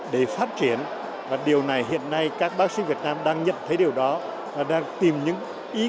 để phát triển và điều này hiện nay các bác sĩ việt nam đang nhận thấy điều đó đang tìm những ý